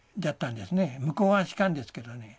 向こうは士官ですけどね。